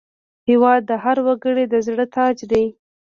هېواد د هر وګړي د زړه تاج دی.